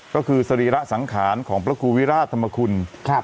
ก็คือสรีระสังขารของพระครูวิราชธรรมคุณ